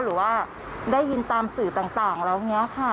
หรือว่าได้ยินตามสื่อต่างแล้วอย่างนี้ค่ะ